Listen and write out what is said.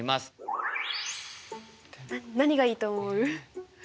何がいいと思う？